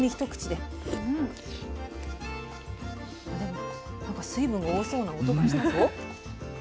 でもなんか水分が多そうな音がしたぞ。